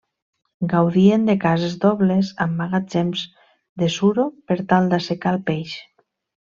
Gaudien de cases dobles amb magatzems de suro per tal d'assecar el peix.